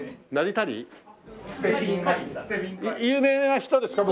有名な人ですか？